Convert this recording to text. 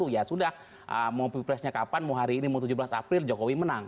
ya sudah mau pilpresnya kapan mau hari ini mau tujuh belas april jokowi menang